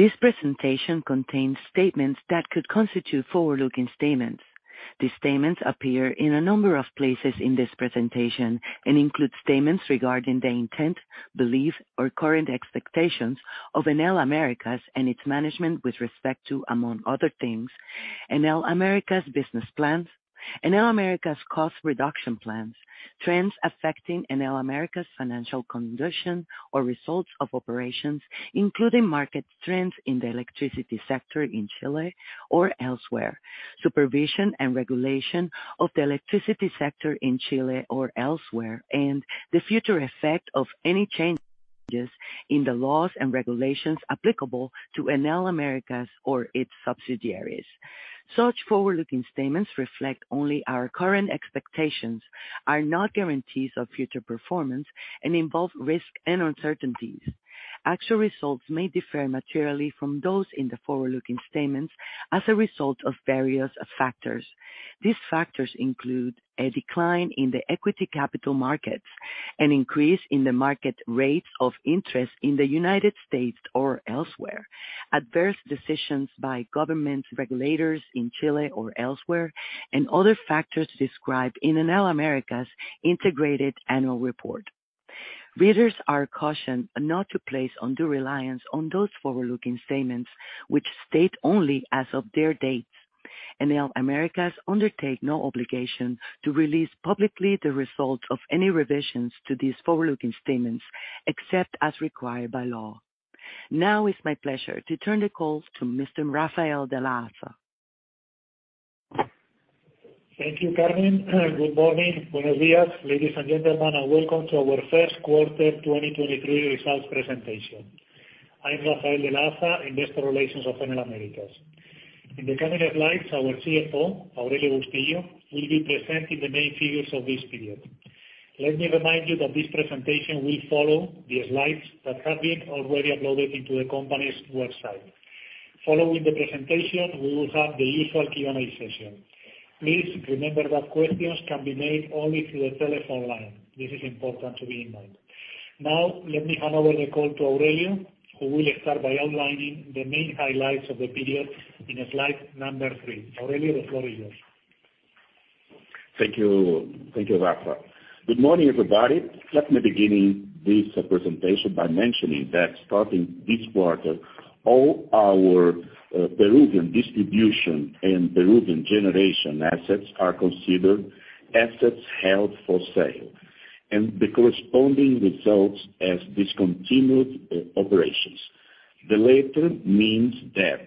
This presentation contains statements that could constitute forward-looking statements. These statements appear in a number of places in this presentation and include statements regarding the intent, belief, or current expectations of Enel Américas and its management with respect to, among other things, Enel Américas business plans, Enel Américas cost reduction plans, trends affecting Enel Américas financial condition or results of operations, including market trends in the electricity sector in Chile or elsewhere, supervision and regulation of the electricity sector in Chile or elsewhere, and the future effect of any changes in the laws and regulations applicable to Enel Américas or its subsidiaries. Such forward-looking statements reflect only our current expectations, are not guarantees of future performance, and involve risk and uncertainties. Actual results may differ materially from those in the forward-looking statements as a result of various factors. These factors include a decline in the equity capital markets, an increase in the market rates of interest in the United States or elsewhere, adverse decisions by government regulators in Chile or elsewhere, and other factors described in Enel Américas integrated annual report. Readers are cautioned not to place undue reliance on those forward-looking statements, which state only as of their dates. Enel Américas undertake no obligation to release publicly the results of any revisions to these forward-looking statements, except as required by law. Now it's my pleasure to turn the call to Mr. Rafael de la Haza. Thank you, Carmen. Good morning. Buenos días, ladies and gentlemen, and welcome to our first quarter 2023 results presentation. I'm Rafael de la Haza, investor relations of Enel Américas. In the coming slides, our CFO, Aurelio Bustilho, will be presenting the main figures of this period. Let me remind you that this presentation will follow the slides that have been already uploaded into the company's website. Following the presentation, we will have the usual Q&A session. Please remember that questions can be made only through the telephone line. This is important to bear in mind. Now, let me hand over the call to Aurelio, who will start by outlining the main highlights of the period in slide number three. Aurelio, the floor is yours. Thank you. Thank you, Rafa. Good morning, everybody. Let me begin this presentation by mentioning that starting this quarter, all our Peruvian distribution and Peruvian generation assets are considered assets held for sale, and the corresponding results are discontinued operations. The latter means that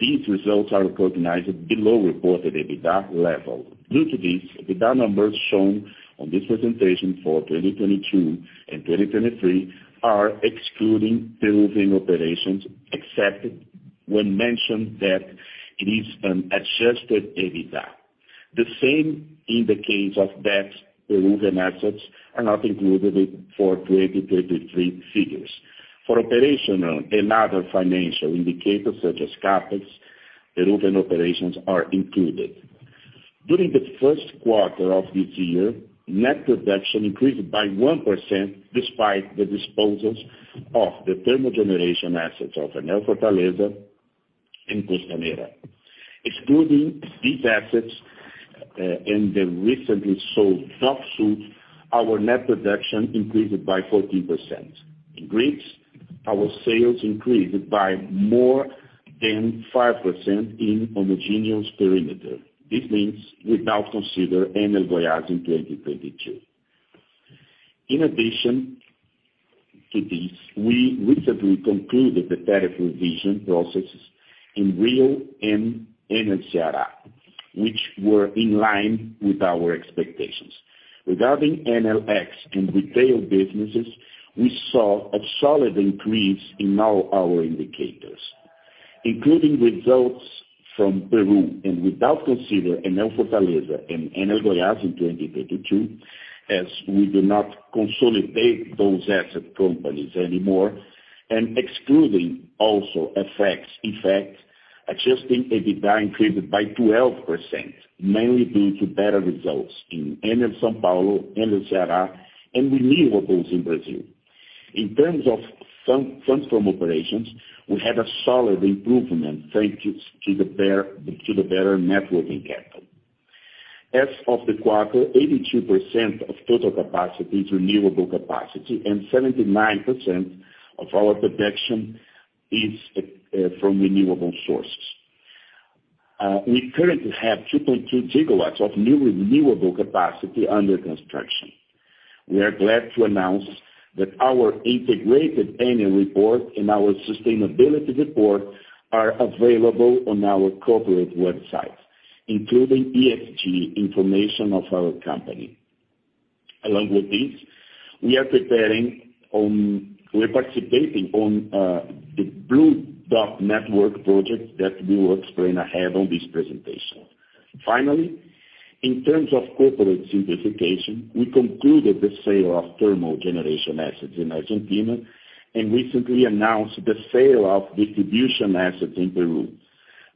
these results are recognized below reported EBITDA level. Due to this, EBITDA numbers shown on this presentation for 2022 and 2023 are excluding Peruvian operations, except when mentioned that it is an Adjusted EBITDA. The same in the case that Peruvian assets are not included for 2023 figures. For operational and other financial indicators such as CapEx, Peruvian operations are included. During the first quarter of this year, net production increased by 1% despite the disposals of the thermal generation assets of Enel Fortaleza and Costanera. Excluding these assets and the recently sold Jagu, our net production increased by 14%. In grids, our sales increased by more than 5% in homogeneous perimeter. This means without considering Enel Goiás in 2022. In addition to this, we recently concluded the tariff revision processes in Rio and Enel Ceará, which were in line with our expectations. Regarding Enel X and retail businesses, we saw a solid increase in all our indicators, including results from Peru and without considering Enel Fortaleza and Enel Goiás in 2022, as we do not consolidate those asset companies anymore, and excluding also effect, Adjusted EBITDA increased by 12%, mainly due to better results in Enel São Paulo, Enel Ceará, and renewables in Brazil. In terms of funds from operations, we had a solid improvement thanks to the better working capital. As of the quarter, 82% of total capacity is renewable capacity, and 79% of our production is from renewable sources. We currently have 2.2 GW of new renewable capacity under construction. We are glad to announce that our integrated annual report and our sustainability report are available on our corporate website, including ESG information of our company. Along with this, we're participating on the Blue Dot Network project that we will explain ahead on this presentation. Finally, in terms of corporate simplification, we concluded the sale of thermal generation assets in Argentina, and recently announced the sale of distribution assets in Peru.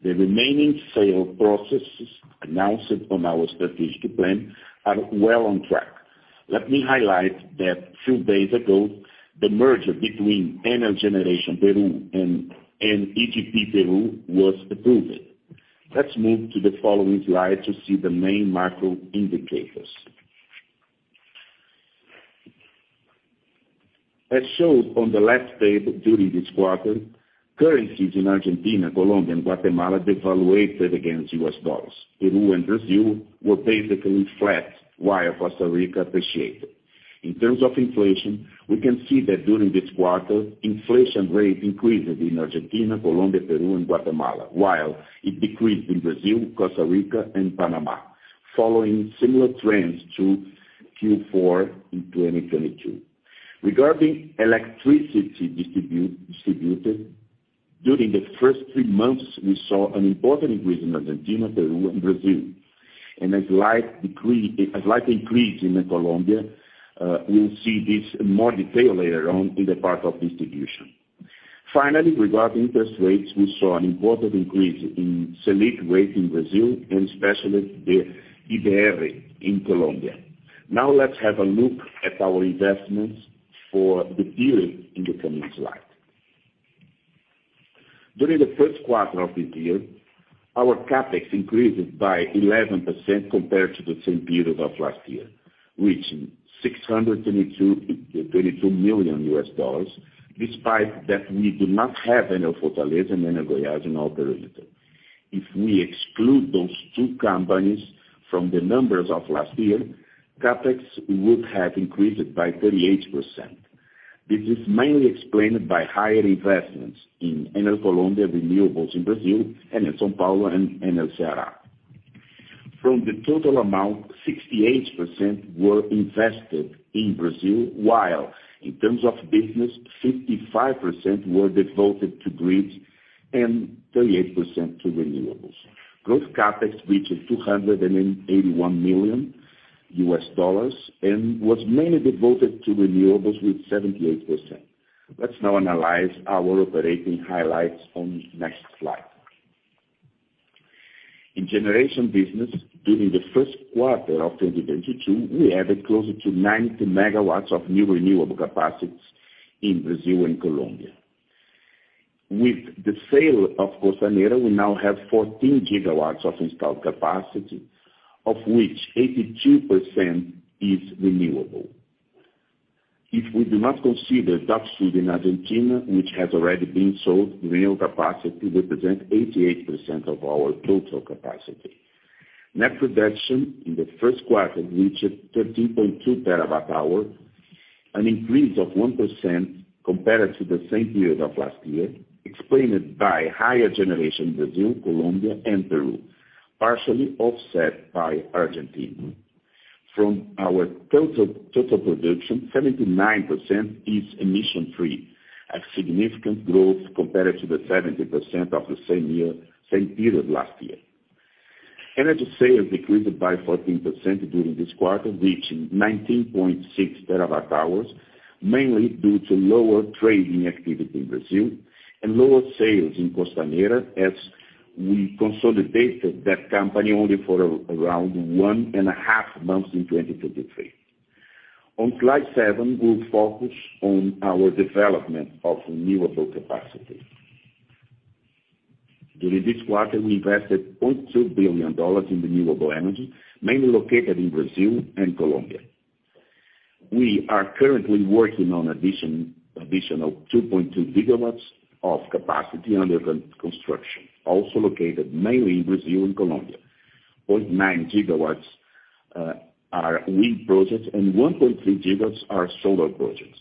The remaining sale processes announced on our strategic plan are well on track. Let me highlight that a few days ago, the merger between Enel Generación Perú and EGP Perú was approved. Let's move to the following slide to see the main macro indicators. As shown on the left table, during this quarter, currencies in Argentina, Colombia, and Guatemala devalued against U.S. dollars. Peru and Brazil were basically flat, while Costa Rica appreciated. In terms of inflation, we can see that during this quarter, inflation rate increases in Argentina, Colombia, Peru, and Guatemala, while it decreased in Brazil, Costa Rica, and Panama, following similar trends to Q4 in 2022. Regarding electricity distributed, during the first three months, we saw an important increase in Argentina, Peru, and Brazil, and a slight increase in Colombia. We'll see this in more detail later on in the part of distribution. Finally, regarding interest rates, we saw an important increase in Selic rate in Brazil and especially the IBR in Colombia. Now let's have a look at our investments for the period in the coming slide. During the first quarter of this year, our CapEx increased by 11% compared to the same period of last year, reaching $632 million, despite that we do not have Enel Fortaleza and Enel Goiás in operation. If we exclude those two companies from the numbers of last year, CapEx would have increased by 38%. This is mainly explained by higher investments in Enel Colombia renewables in Brazil, and in Enel São Paulo and Enel Ceará. From the total amount, 68% were invested in Brazil, while in terms of business, 55% were devoted to grids and 38% to renewables. Growth CapEx reached $281 million and was mainly devoted to renewables with 78%. Let's now analyze our operating highlights on the next slide. In generation business, during the first quarter of 2022, we added closer to 90 MW of new renewable capacities in Brazil and Colombia. With the sale of Costanera, we now have 14 GW of installed capacity, of which 82% is renewable. If we do not consider Dock Sud in Argentina, which has already been sold, renewable capacity represent 88% of our total capacity. Net production in the first quarter reached 13.2 TWh, an increase of 1% compared to the same period of last year, explained by higher generation Brazil, Colombia and Peru, partially offset by Argentina. From our total production, 79% is emission-free, a significant growth compared to the 70% of the same period last year. Energy sales decreased by 14% during this quarter, reaching 19.6 TWh, mainly due to lower trading activity in Brazil and lower sales in Costanera as we consolidated that company only for around 1.5 months in 2023. On slide seven, we'll focus on our development of renewable capacity. During this quarter, we invested $0.2 billion in renewable energy, mainly located in Brazil and Colombia. We are currently working on additional 2.2 GW of capacity under construction, also located mainly in Brazil and Colombia. 0.9 GW are wind projects and 1.3 GW are solar projects.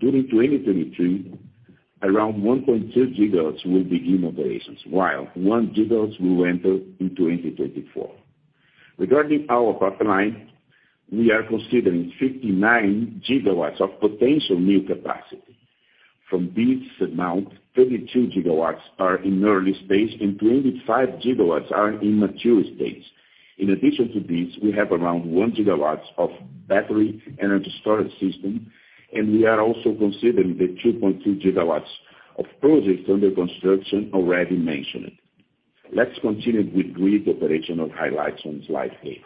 During 2023, around 1.2 GW will begin operations, while 1 GW will enter in 2024. Regarding our pipeline, we are considering 59 GW of potential new capacity. From this amount, 32 GW are in early stage and 25 GW are in mature stage. In addition to this, we have around 1 GW of battery energy storage system, and we are also considering the 2.2 GW of projects under construction already mentioned. Let's continue with grid operational highlights on slide 8.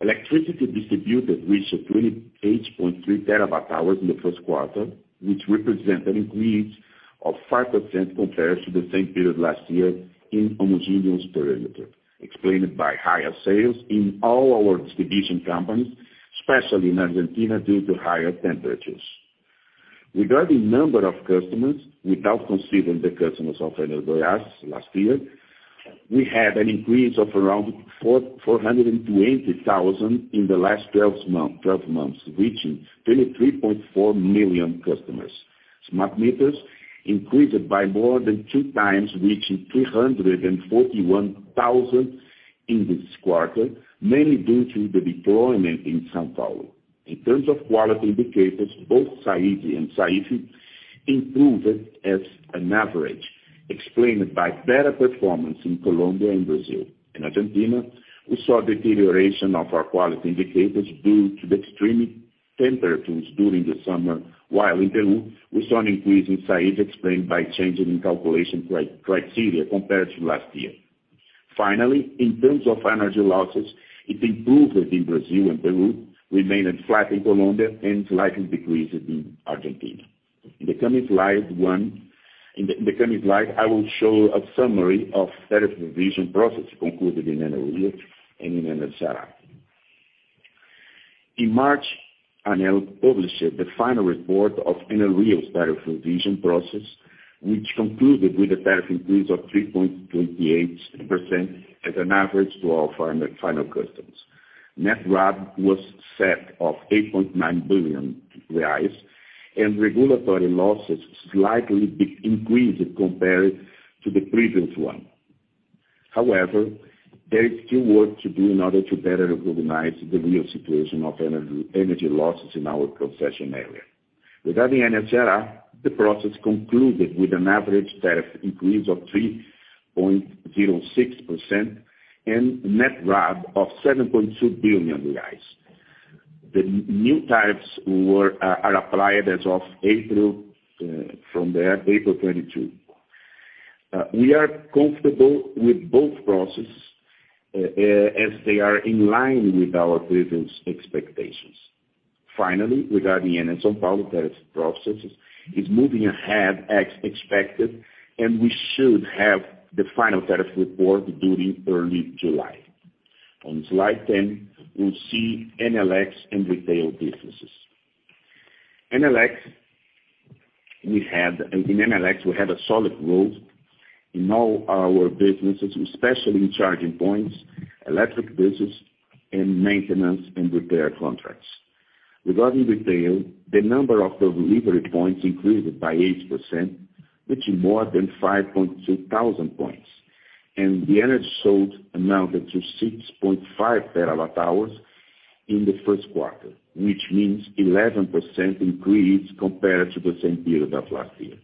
Electricity distributed reached 28.3 TWh in the first quarter, which represent an increase of 5% compared to the same period last year in homogeneous perimeter, explained by higher sales in all our distribution companies, especially in Argentina, due to higher temperatures. Regarding number of customers, without considering the customers of Enel Goiás last year, we had an increase of around 420,000 in the last 12 months, reaching 33.4 million customers. Smart meters increased by more than two times, reaching 341,000 in this quarter, mainly due to the deployment in São Paulo. In terms of quality indicators, both SAIDI and SAIFI improved on average, explained by better performance in Colombia and Brazil. In Argentina, we saw deterioration of our quality indicators due to the extreme temperatures during the summer, while in Peru, we saw an increase in SAIDI explained by changes in calculation criteria compared to last year. Finally, in terms of energy losses, it improved in Brazil and Peru, remained flat in Colombia, and slightly decreased in Argentina. In the coming slide, I will show a summary of tariff revision process concluded in Enel Rio and in Enel Ceará. In March, Enel published the final report of Enel Rio's tariff revision process, which concluded with a tariff increase of 3.28% as an average to our final customers. Net RAB was set of 8.9 billion reais, and regulatory losses slightly increased compared to the previous one. However, there is still work to do in order to better recognize the real situation of energy losses in our concession area. Regarding Enel Ceará, the process concluded with an average tariff increase of 3.06% and net RAB of 7.2 billion. The new tariffs were applied as of April from the April 22. We are comfortable with both processes as they are in line with our previous expectations. Finally, regarding Enel São Paulo tariff process is moving ahead as expected, and we should have the final tariff report due in early July. On slide 10, we'll see Enel X and retail businesses. Enel X, we had a solid growth in all our businesses, especially in charging points, electric business, and maintenance and repair contracts. Regarding retail, the number of delivery points increased by 8%, reaching more than 5,200 points. The energy sold amounted to 6.5 TWh in the first quarter, which means 11% increase compared to the same period of last year.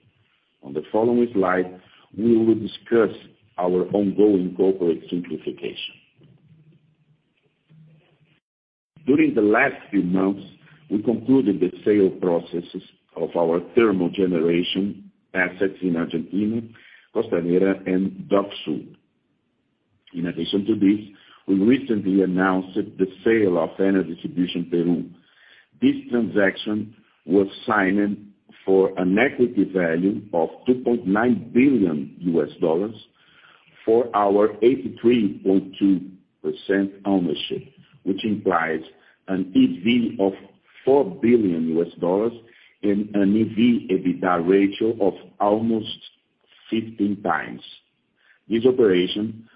On the following slide, we will discuss our ongoing corporate simplification. During the last few months, we concluded the sale processes of our thermal generation assets in Argentina, Costanera and Dock Sud. In addition to this, we recently announced the sale of Enel Distribución Perú. This transaction was signed for an equity value of $2.9 billion for our 83.2% ownership, which implies an EV of $4 billion and an EV/EBITDA ratio of almost 15x. This operation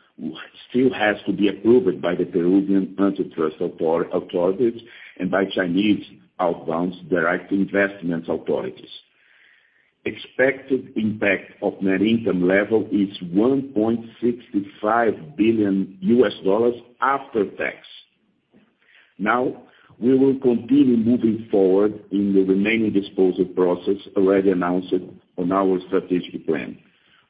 still has to be approved by the Peruvian antitrust authorities and by Chinese outbound direct investment authorities. Expected impact of net income level is $1.65 billion after tax. Now, we will continue moving forward in the remaining disposal process already announced on our strategic plan,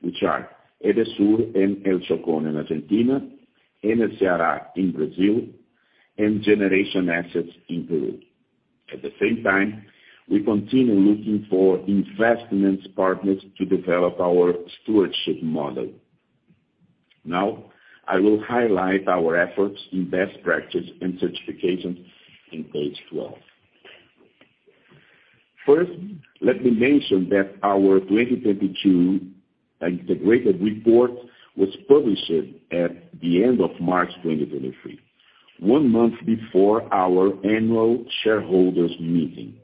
which are Edesur and El Chocón in Argentina, Enel Ceará in Brazil, and generation assets in Peru. At the same time, we continue looking for investment partners to develop our stewardship model. Now, I will highlight our efforts in best practice and certification in page 12. First, let me mention that our 2022 integrated report was published at the end of March 2023, one month before our annual shareholders meeting.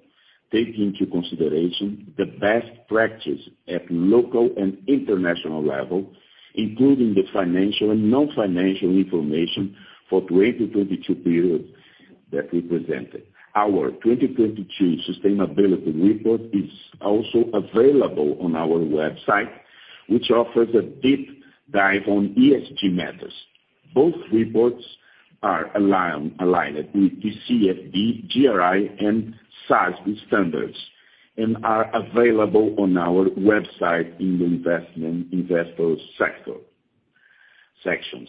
Take into consideration the best practice at local and international level, including the financial and non-financial information for 2022 period that we presented. Our 2022 sustainability report is also available on our website, which offers a deep dive on ESG matters. Both reports are aligned with TCFD, GRI, and SASB standards, and are available on our website in the investor sections.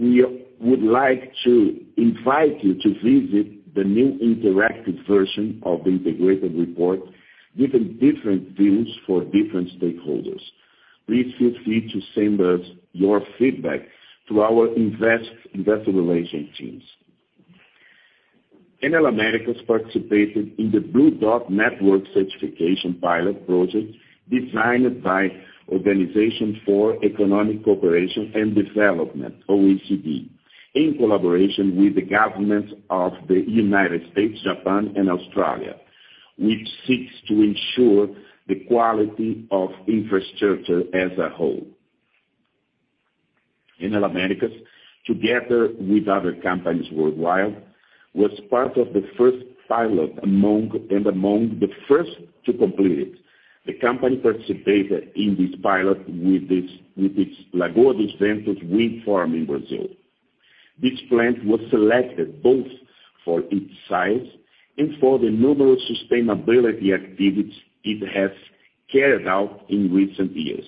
We would like to invite you to visit the new interactive version of the integrated report, giving different views for different stakeholders. Please feel free to send us your feedback to our investor relations teams. Enel Américas participated in the Blue Dot Network certification pilot project designed by Organization for Economic Co-operation and Development, OECD, in collaboration with the governments of the United States, Japan, and Australia, which seeks to ensure the quality of infrastructure as a whole. Enel Américas, together with other companies worldwide, was part of the first pilot among the first to complete it. The company participated in this pilot with its Lagoa dos Ventos wind farm in Brazil. This plant was selected both for its size and for the numerous sustainability activities it has carried out in recent years.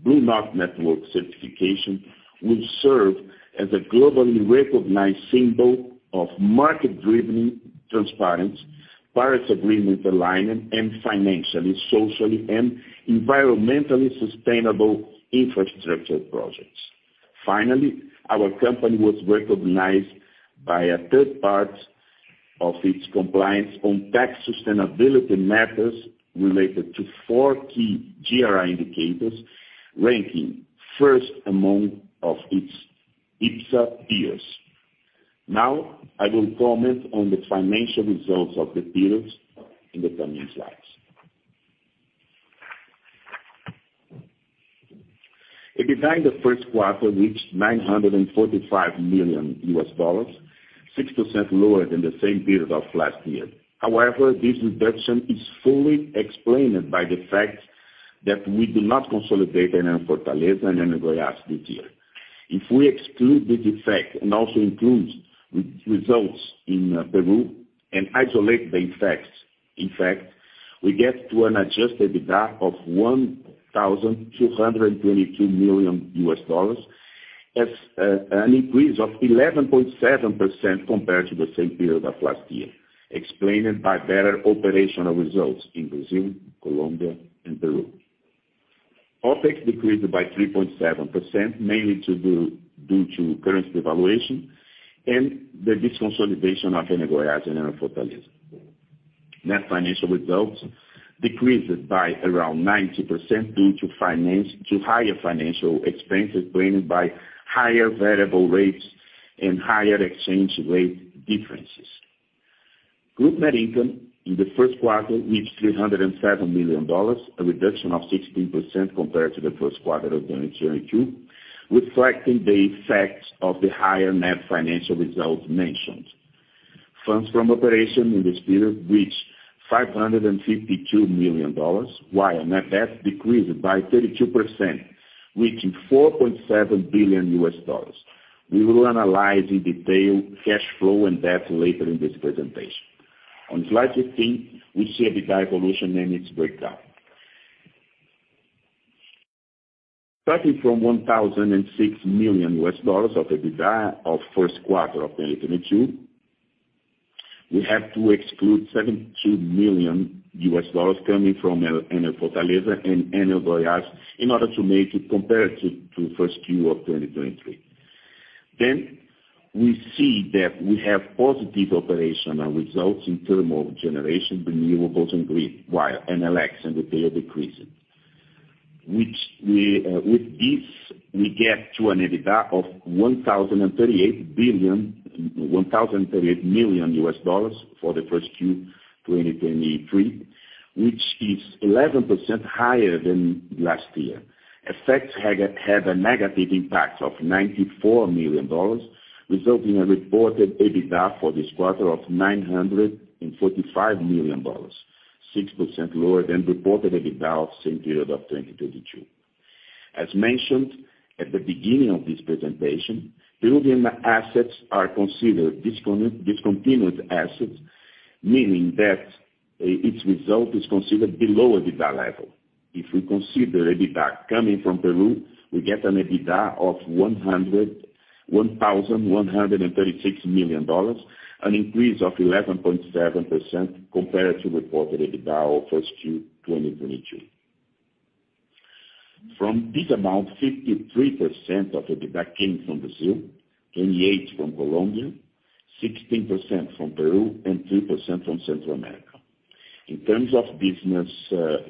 Blue Dot Network certification will serve as a globally recognized symbol of market-driven transparency, Paris Agreement alignment, and financially, socially and environmentally sustainable infrastructure projects. Finally, our company was recognized by a third party for its compliance on tax sustainability matters related to four key GRI indicators, ranking first among its peers. Now, I will comment on the financial results of the period in the coming slides. EBITDA in the first quarter reached $945 million, 6% lower than the same period of last year. However, this reduction is fully explained by the fact that we do not consolidate Enel Fortaleza and Enel Goiás this year. If we exclude this effect and also include results in Peru and isolate the effects, in fact, we get to an Adjusted EBITDA of $1,222 million. That's an increase of 11.7% compared to the same period of last year, explained by better operational results in Brazil, Colombia and Peru. OpEx decreased by 3.7%, mainly due to currency devaluation and the disconsolidation of Enel Goiás and Enel Fortaleza. Net financial results decreased by around 90% due to higher financial expenses brought in by higher variable rates and higher exchange rate differences. Group net income in the first quarter reached $307 million, a reduction of 16% compared to the first quarter of 2022, reflecting the effects of the higher net financial results mentioned. Funds from operation in this period reached $552 million, while NFD decreased by 32%, reaching $4.7 billion. We will analyze in detail cash flow and debt later in this presentation. On slide 15, we see EBITDA evolution and its breakdown. Starting from $1,006 million of EBITDA of first quarter of 2022, we have to exclude $72 million coming from Enel Fortaleza and Enel Goiás in order to make it compared to first Q of 2023. We see that we have positive operational results in terms of generation, renewables and grid, while Enel X and retail decreasing, which, with this, we get to an EBITDA of $1,038 million for the first Q 2023, which is 11% higher than last year. Effects had a negative impact of $94 million, resulting in reported EBITDA for this quarter of $945 million, 6% lower than reported EBITDA of same period of 2022. As mentioned at the beginning of this presentation, Peruvian assets are considered discontinued assets, meaning that its result is considered below EBITDA level. If we consider EBITDA coming from Peru, we get an EBITDA of $1,136 million, an increase of 11.7% compared to reported EBITDA of first Q 2023. From this amount, 53% of EBITDA came from Brazil, 28% from Colombia, 16% from Peru and 3% from Central America. In terms of business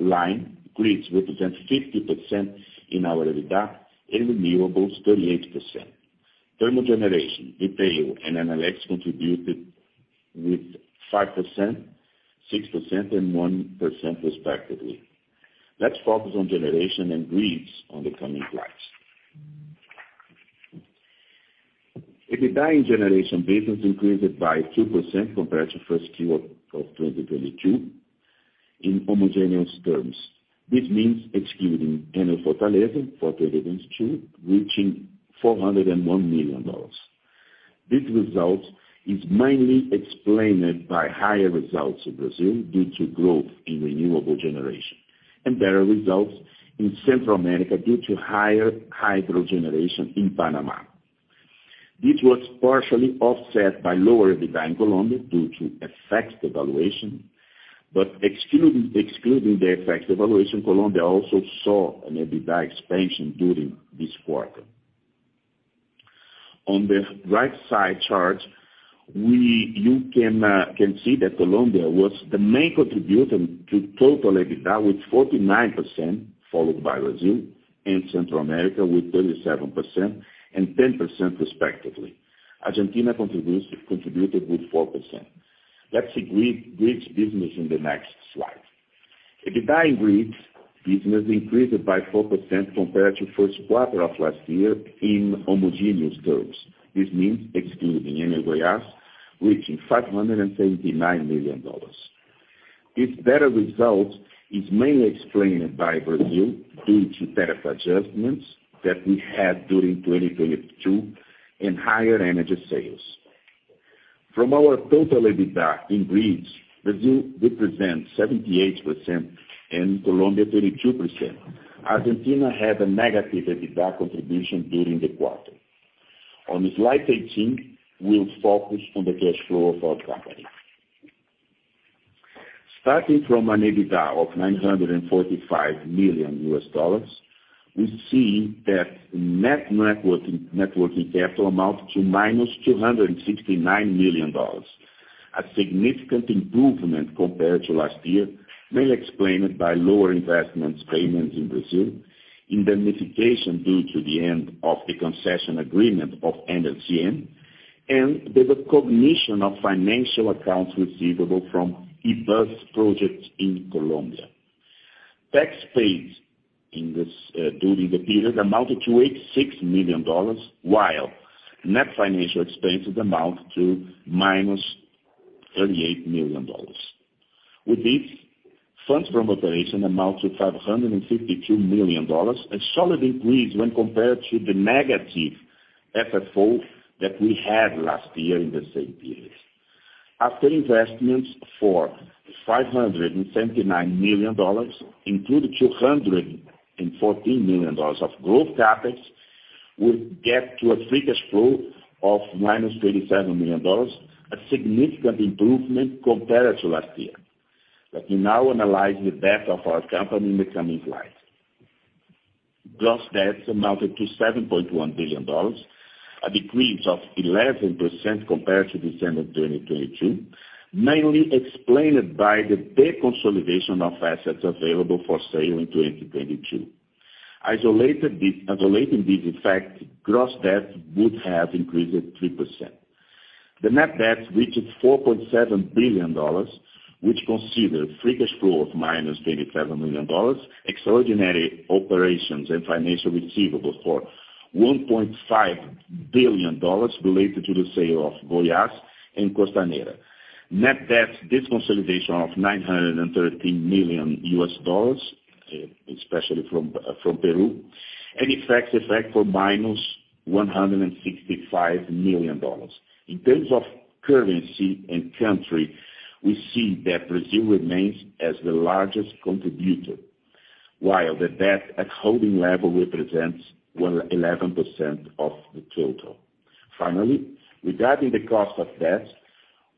line, grids represent 50% in our EBITDA and renewables 38%. Thermal generation, retail and NLX contributed with 5%, 6% and 1% respectively. Let's focus on generation and grids on the coming slides. EBITDA in generation business increased by 2% compared to first Q 2022 in homogeneous terms. This means excluding Enel Fortaleza from relevance too, reaching $401 million. This result is mainly explained by higher results in Brazil due to growth in renewable generation, and better results in Central America due to higher hydro generation in Panama. This was partially offset by lower EBITDA in Colombia due to FX devaluation, but excluding the FX devaluation, Colombia also saw an EBITDA expansion during this quarter. On the right side chart, you can see that Colombia was the main contributor to total EBITDA with 49%, followed by Brazil and Central America with 37% and 10% respectively. Argentina contributed with 4%. Let's see grids business in the next slide. EBITDA in grids business increased by 4% compared to first quarter of last year in homogeneous terms. This means excluding Enel Goiás, reaching $579 million. This better result is mainly explained by Brazil due to tariff adjustments that we had during 2022 and higher energy sales. From our total EBITDA in grids, Brazil represents 78% and Colombia 32%. Argentina had a negative EBITDA contribution during the quarter. On slide 18, we'll focus on the cash flow of our company. Starting from an EBITDA of $945 million, we see that net change in net working capital amounts to -$269 million. A significant improvement compared to last year, mainly explained by lower investment payments in Brazil, indemnification due to the end of the concession agreement of NLGM, and the recognition of financial accounts receivable from e-bus projects in Colombia. Tax paid in this, during the period amounted to $86 million, while net financial expenses amount to -$38 million. With this, funds from operation amount to $552 million, a solid increase when compared to the negative FFO that we had last year in the same period. After investments for $579 million, including $214 million of growth CapEx, we get to a free cash flow of -$37 million, a significant improvement compared to last year. Let me now analyze the debt of our company in the coming slides. Gross debts amounted to $7.1 billion, a decrease of 11% compared to December 2022, mainly explained by the deconsolidation of assets available for sale in 2022. Isolating this effect, gross debt would have increased at 3%. The net debt reached $4.7 billion, which consider free cash flow of -$37 million, extraordinary operations and financial receivables for $1.5 billion related to the sale of Enel Goiás and Costanera. Net debt, this consolidation of $913 million, especially from Peru, and FX effects for -$165 million. In terms of currency and country, we see that Brazil remains as the largest contributor, while the debt at holding level represents well, 11% of the total. Finally, regarding the cost of debt,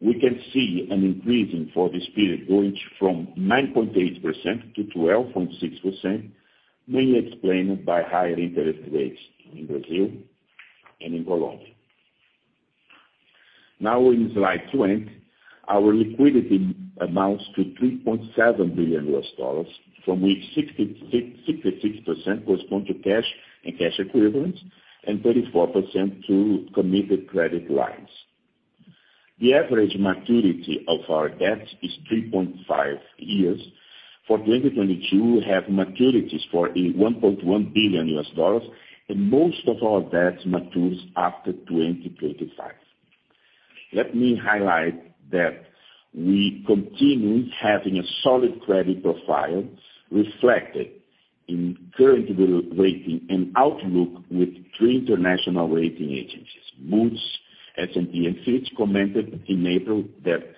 we can see an increase for this period, going from 9.8%-12.6%, mainly explained by higher interest rates in Brazil and in Colombia. Now in slide 20, our liquidity amounts to $3.7 billion, from which 66% correspond to cash and cash equivalents, and 34% to committed credit lines. The average maturity of our debt is 3.5 years. For 2022, we have maturities for $1.1 billion, and most of our debts matures after 2025. Let me highlight that we continue having a solid credit profile reflected in current rating and outlook with three international rating agencies. Both S&P and Fitch commented in April that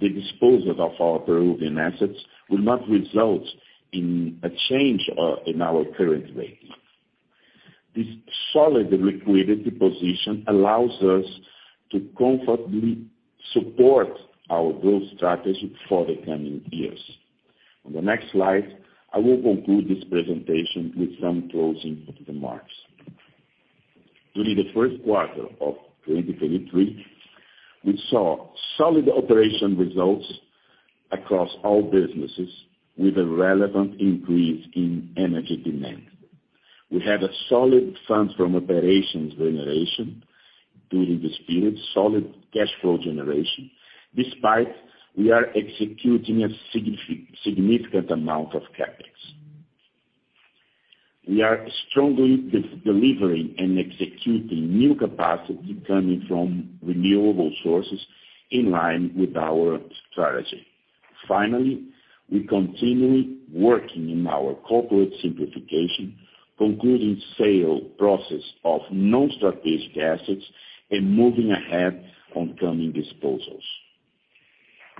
the disposals of our Peruvian assets will not result in a change in our current rating. This solid liquidity position allows us to comfortably support our growth strategy for the coming years. On the next slide, I will conclude this presentation with some closing remarks. During the first quarter of 2023, we saw solid operational results across all businesses with a relevant increase in energy demand. We have a solid fund from operations generation during this period, solid cash flow generation, despite we are executing a significant amount of CapEx. We are strongly delivering and executing new capacity coming from renewable sources in line with our strategy. Finally, we continue working in our corporate simplification, concluding sale process of non-strategic assets and moving ahead on coming disposals.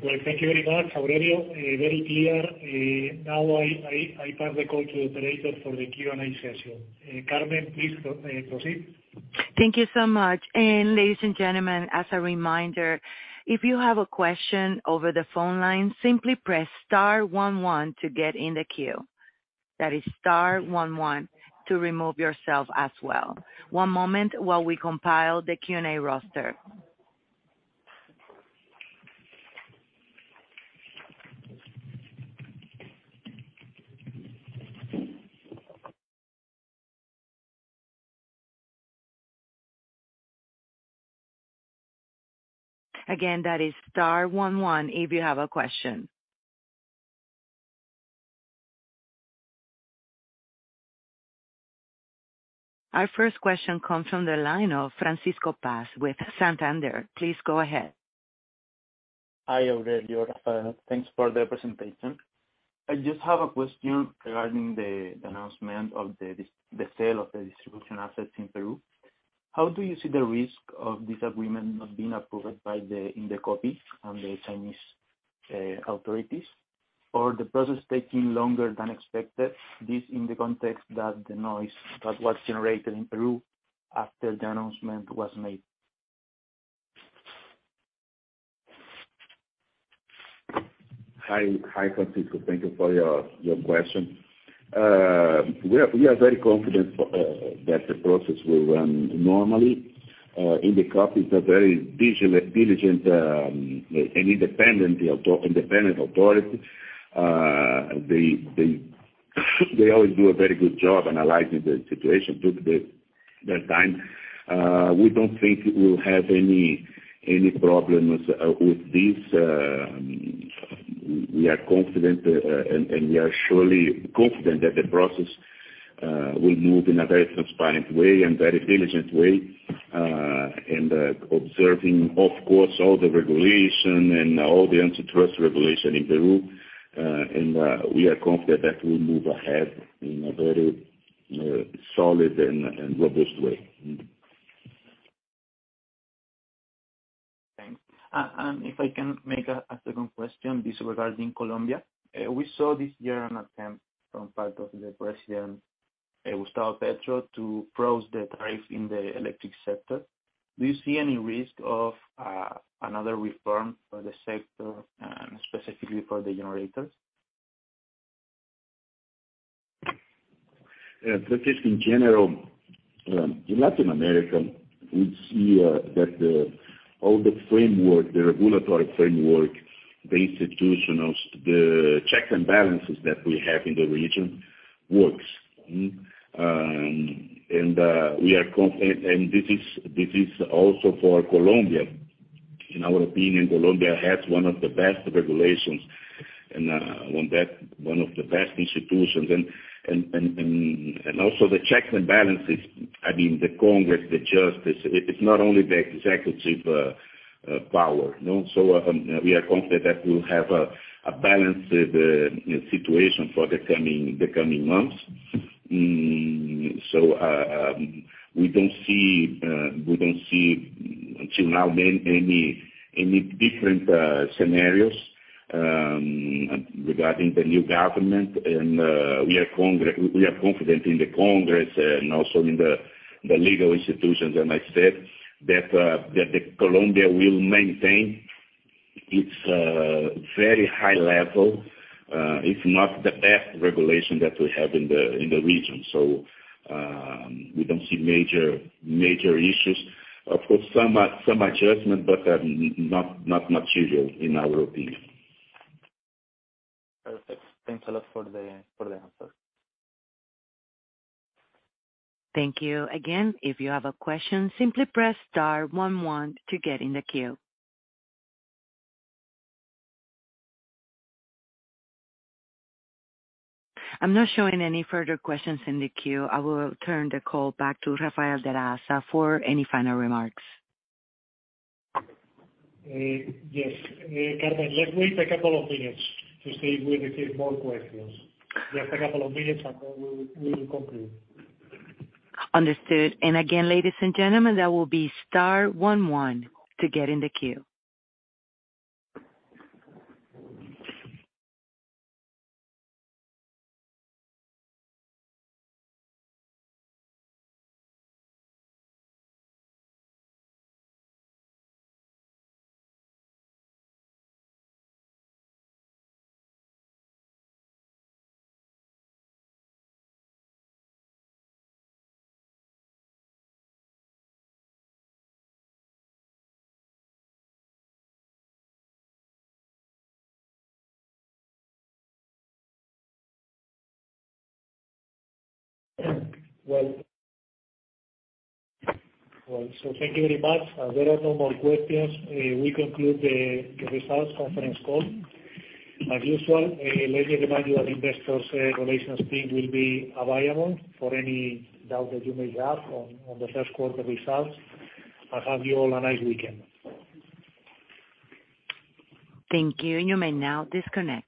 Well, thank you very much, Aurelio. Very clear. Now I pass the call to operator for the Q&A session. Carmen, please, proceed. Thank you so much. Ladies and gentlemen, as a reminder, if you have a question over the phone line, simply press star one one to get in the queue. That is star one one to remove yourself as well. One moment while we compile the Q&A roster. Again, that is star one one if you have a question. Our first question comes from the line of Francisco Paz with Santander. Please go ahead. Hi, Aurelio. Thanks for the presentation. I just have a question regarding the announcement of the sale of the distribution assets in Peru. How do you see the risk of this agreement not being approved by Indecopi and the Chinese authorities or the process taking longer than expected, this in the context that the noise that was generated in Peru after the announcement was made? Hi. Hi, Francisco. Thank you for your question. We are very confident for that the process will run normally. Indecopi is very vigilant, diligent, and independent authority. They always do a very good job analyzing the situation, taking the time. We don't think it will have any problems with this. We are confident, and we are surely confident that the process will move in a very transparent way and very diligent way, and observing, of course, all the regulation and all the antitrust regulation in Peru. We are confident that we'll move ahead in a very solid and robust way. Thanks. If I can make a second question, this regarding Colombia. We saw this year an attempt from part of the President Gustavo Petro to froze the tariff in the electric sector. Do you see any risk of another reform for the sector, specifically for the generators? That is in general, in Latin America, we see that all the framework, the regulatory framework, the institutions, the checks and balances that we have in the region works. This is also for Colombia. In our opinion, Colombia has one of the best regulations and one of the best institutions and also the checks and balances, I mean, the Congress, the justice, it's not only the executive power, you know. We are confident that we'll have a balanced situation for the coming months. We don't see until now any different scenarios regarding the new government. We are confident in the Congress and also in the legal institutions, as I said, that Colombia will maintain its very high level, if not the best regulation that we have in the region. We don't see major issues. Of course, some adjustment, but not material in our opinion. Perfect. Thanks a lot for the answers. Thank you. Again, if you have a question, simply press star one one to get in the queue. I'm not showing any further questions in the queue. I will turn the call back to Rafael de la Haza for any final remarks. Yes. Carmen, let's wait a couple of minutes to see if we receive more questions. Just a couple of minutes and then we will conclude. Understood. Again, ladies and gentlemen, that will be star one one to get in the queue. Well, thank you very much. As there are no more questions, we conclude the results conference call. As usual, let me remind you our investors relations team will be available for any doubt that you may have on the first quarter results. Have you all a nice weekend. Thank you. You may now disconnect.